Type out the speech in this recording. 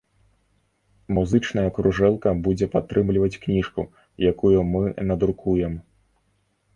Музычная кружэлка будзе падтрымліваць кніжку, якую мы надрукуем.